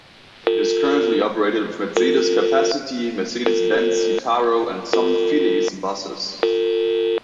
It is currently operated with Mercedes Capacity, Mercedes-Benz Citaro, and some Phileas buses.